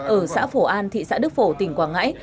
ở xã phổ an thị xã đức phổ tỉnh quảng ngãi